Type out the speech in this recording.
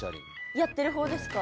やってる方ですか？